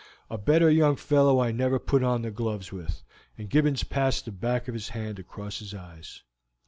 A better young fellow I never put on the gloves with;" and Gibbons passed the back of his hand across his eyes.